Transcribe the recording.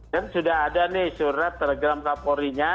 sudah ada nih surat telegram kapolrinya